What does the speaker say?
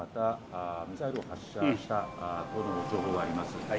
北朝鮮がまたミサイルを発射したとの情報があります。